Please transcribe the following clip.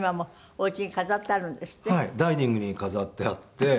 ダイニングに飾ってあって。